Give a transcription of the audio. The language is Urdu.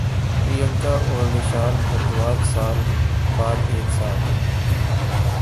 پریانکا اور وشال بھردواج سال بعد ایک ساتھ